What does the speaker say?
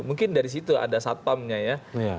mungkin dari situ ada satpamnya ya